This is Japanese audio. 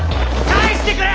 返してくれ！